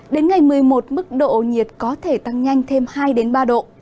đến ngày một mươi một mức độ nhiệt có thể tăng nhanh thêm hai ba độ